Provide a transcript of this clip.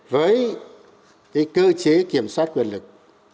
với cơ chế kiểm soát quyền lực